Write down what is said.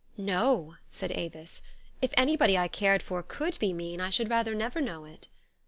" "No," said Avis :" if anybody I cared for could be mean, I should rather never know it."